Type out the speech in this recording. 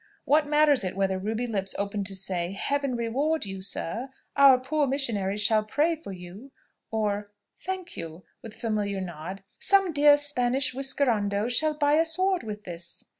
What matters it whether ruby lips open to say, "Heaven reward you, sir! Our poor missionaries shall pray for you!" or, "Thank you!" (with a familiar nod) "some dear Spanish whiskerandos shall buy a sword with this!"